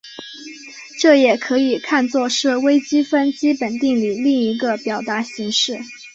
这也可以看作是微积分基本定理另一个表达形式。